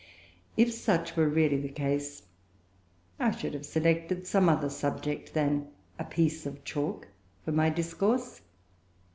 If such were really the case, I should have selected some other subject than a "piece of chalk" for my discourse.